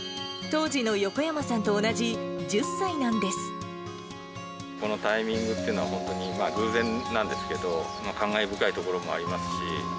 当時の横山さんと同じ１０歳このタイミングっていうのは、本当に偶然なんですけど、感慨深いところもありますし。